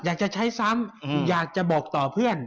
อยากจะใช้ซ้ำอยากจะบอกต่อเพื่อน